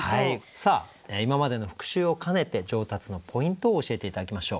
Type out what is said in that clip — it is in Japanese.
今までの復習を兼ねて上達のポイントを教えて頂きましょう。